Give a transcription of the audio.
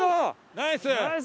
ナイス！